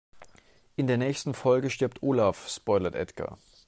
In der nächsten Folge stirbt Olaf, spoilert Edgar.